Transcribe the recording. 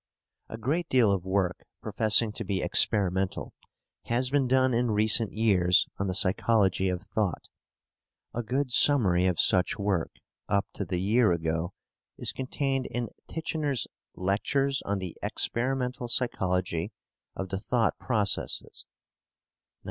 A great deal of work professing to be experimental has been done in recent years on the psychology of thought. A good summary of such work up to the year agog is contained in Titchener's "Lectures on the Experimental Psychology of the Thought Processes" (1909).